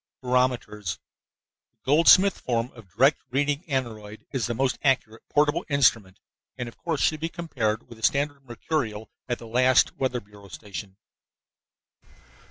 BAROMETERS The Goldsmith form of direct reading aneroid is the most accurate portable instrument and, of course, should be compared with a standard mercurial at the last weather bureau station.